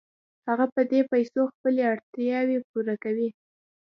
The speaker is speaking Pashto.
هغه په دې پیسو خپلې اړتیاوې پوره کوي